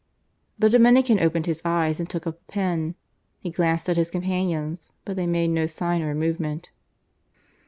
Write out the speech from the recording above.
The Dominican opened his eyes and took up a pen. He glanced at his companions, but they made no sign or movement.